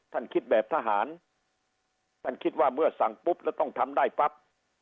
คิดแบบทหารท่านคิดว่าเมื่อสั่งปุ๊บแล้วต้องทำได้ปั๊บ